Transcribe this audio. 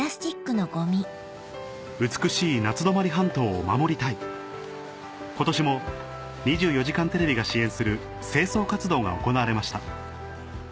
美しい夏泊半島を守りたい今年も『２４時間テレビ』が支援する清掃活動が行われました